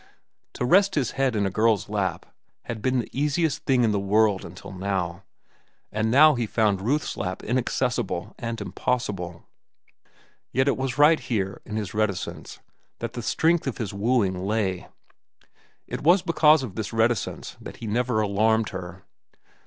To rest his head in a girl's lap had been the easiest thing in the world until now, and now he found Ruth's lap inaccessible and impossible. Yet it was right here, in his reticence, that the strength of his wooing lay. It was because of this reticence that he never alarmed her.